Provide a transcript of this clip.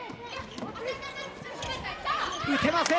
打てません。